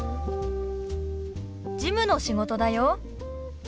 事務の仕事だよ。